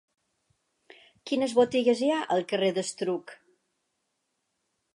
Quines botigues hi ha al carrer d'Estruc?